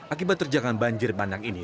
akibat terjangan banjir bandang ini